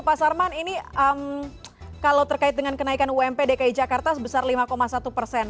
pak sarman ini kalau terkait dengan kenaikan ump dki jakarta sebesar lima satu persen